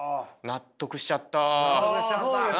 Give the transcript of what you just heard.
納得しちゃった！